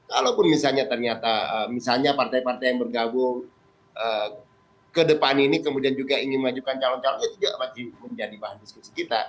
kalaupun misalnya ternyata misalnya partai partai yang bergabung ke depan ini kemudian juga ingin majukan calon calon itu juga masih menjadi bahan diskusi kita